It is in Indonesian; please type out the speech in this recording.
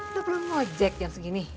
lo belum nge ojek yang segini